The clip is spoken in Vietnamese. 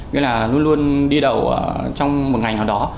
nghĩa là luôn luôn đi đầu trong một ngành nào đó